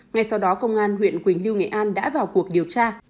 ngay sau đó công an huyện quỳnh lưu nghệ an đã vào cuộc điều tra